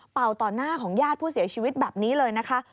ต่อหน้าของญาติผู้เสียชีวิตแบบนี้เลยนะคะ